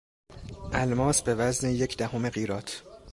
الماس به وزن یک دهم قیراط